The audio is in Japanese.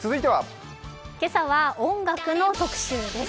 今朝は音楽の特集です。